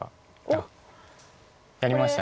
あっやりました。